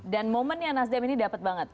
dan momennya nasdem ini dapat banget